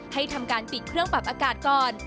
ทำการปิดเครื่องปรับอากาศก่อน